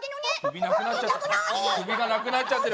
首がなくなっちゃってる。